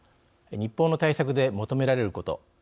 日本の対策で求められること。